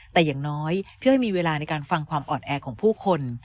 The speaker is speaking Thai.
แต่อย่างน้อยพี่อ้อยมีเวลาในการฟังความอ่อนแอของผู้คน